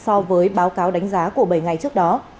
so với báo cáo đánh giá của bảy ngày trước đó